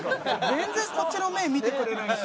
全然こっちの目見てくれないし。